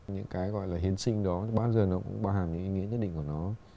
những cái gọi là hiến sinh đó bao giờ nó cũng bao hàm những ý nghĩa nhất định của chúng ta